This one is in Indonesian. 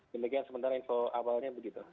demikian sementara info awalnya begitu